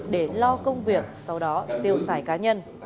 để lo công việc sau đó tiêu xài cá nhân